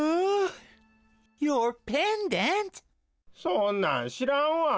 そんなんしらんわ。